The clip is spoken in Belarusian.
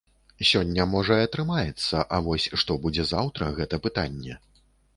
Сёння, можа, і атрымаецца, а вось што будзе заўтра, гэта пытанне.